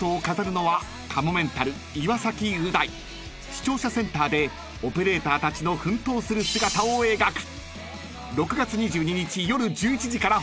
［視聴者センターでオペレーターたちの奮闘する姿を描く］